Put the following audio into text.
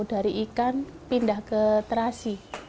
dari ikan pindah ke terasi